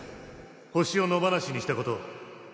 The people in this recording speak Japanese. ホシを野放しにしたことを